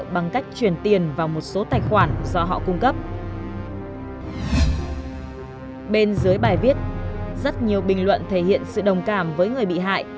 bên dưới bài viết rất nhiều bình luận thể hiện sự đồng cảm với người bị hại